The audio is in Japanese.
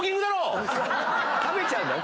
食べちゃうんだね。